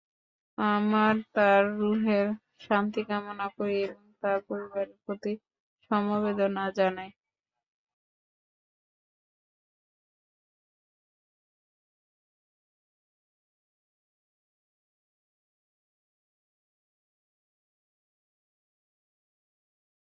ও পারের চরে বজরা বাঁধা আছে, চোখে পড়ল।